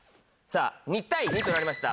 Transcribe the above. ２対２となりました